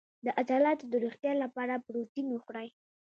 د عضلاتو د روغتیا لپاره پروتین وخورئ